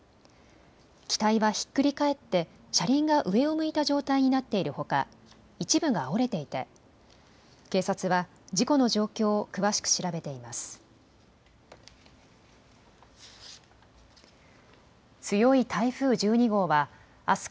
機体はひっくり返って車輪が上を向いた状態になっているほか一部が折れていて警察は事故の状況を詳しく調べています。